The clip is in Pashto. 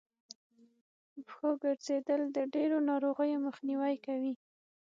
په پښو ګرځېدل د ډېرو ناروغيو مخنیوی کوي